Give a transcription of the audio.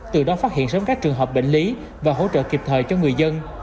từ đó phát hiện sớm các trường hợp bệnh lý và hỗ trợ kịp thời cho người dân